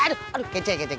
udah bang jalan